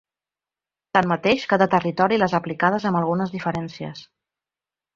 Tanmateix, cada territori les ha aplicades amb algunes diferències.